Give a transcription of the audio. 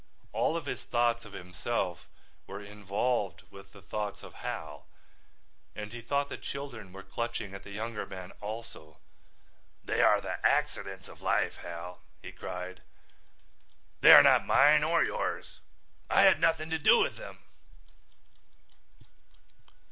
All of his thoughts of himself were involved with the thoughts of Hal and he thought the children were clutching at the younger man also. "They are the accidents of life, Hal," he cried. "They are not mine or yours. I had nothing to do with them."